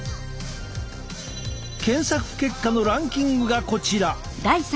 検索結果のランキングがこちら。